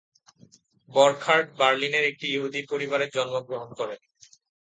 বর্খার্ট বার্লিনের একটি ইহুদি পরিবারে জন্মগ্রহণ করেন।